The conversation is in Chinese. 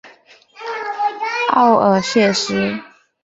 奥尔谢斯。